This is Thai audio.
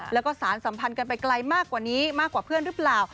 แล้วก็สารสัมพันธ์กันไปไกลมากกว่านี้มากกว่าเพื่อนหรือเปล่า